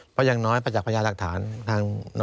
เพราะอย่างน้อยประจักษ์พยาธรรมฐาน